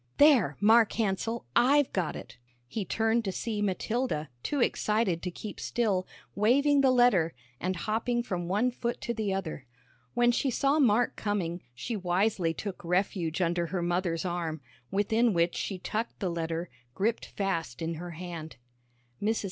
"There Mark Hansell, I've got it!" He turned to see Matilda, too excited to keep still, waving the letter, and hopping from one foot to the other. When she saw Mark coming, she wisely took refuge under her mother's arm, within which she tucked the letter, gripped fast in her hand. Mrs.